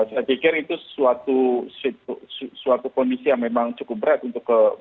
saya pikir itu suatu kondisi yang memang cukup berat untuk